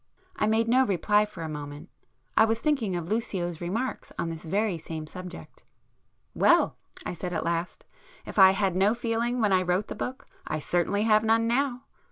I made no reply for a moment. I was thinking of Lucio's remarks on this very same subject. "Well!" I said at last—"If I had no feeling when I wrote the book, I certainly have none now.